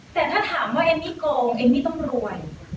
แต่ถ้าถามว่าเอมมี่โกงเอมมี่ต้องรวย